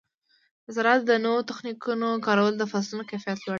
د زراعت د نوو تخنیکونو کارول د فصلونو کیفیت لوړوي.